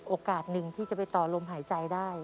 โอกาสหนึ่งที่จะไปต่อลมหายใจได้